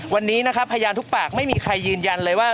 วันนี้นะครับพยานทุกปากไม่มีใครยืนยันเลยว่า